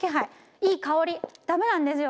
いい香りダメなんですよ。